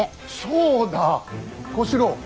そうだ小四郎。